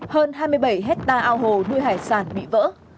hơn hai mươi bảy hectare audio hải sản bị vỡ